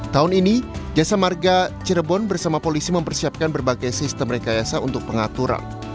tahun ini jasa marga cirebon bersama polisi mempersiapkan berbagai sistem rekayasa untuk pengaturan